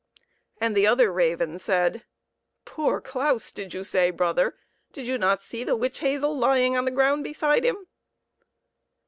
And the other raven said, " Poor Claus, did you say, brother? Do you not see the witch hazel lying on the ground beside him